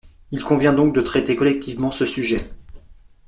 Il convient donc de traiter collectivement ce sujet.